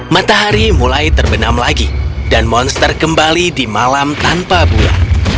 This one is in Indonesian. matahari mulai terbenam lagi dan monster kembali di malam tanpa buah